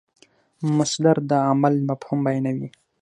مصدر د عمل مفهوم بیانوي.